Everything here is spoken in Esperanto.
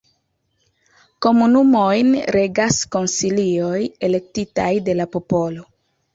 Komunumojn regas konsilioj elektitaj de la popolo.